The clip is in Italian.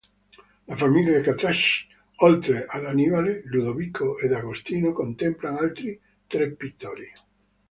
La famiglia Carracci, oltre ad Annibale, Ludovico ed Agostino contempla altri tre pittori.